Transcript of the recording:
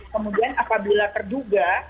kemudian apabila terduga